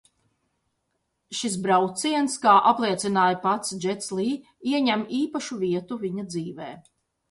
Šis brauciens, kā apliecināja pats Džets Lī, ieņem īpašu vietu viņa dzīvē.